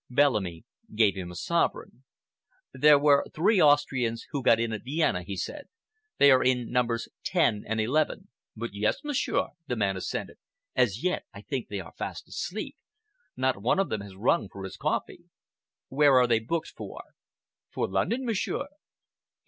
Bellamy gave him a sovereign. "There were three Austrians who got in at Vienna," he said. "They are in numbers ten and eleven." "But yes, Monsieur!" the man assented. "As yet I think they are fast asleep. Not one of them has rung for his coffee." "Where are they booked for?" "For London, Monsieur."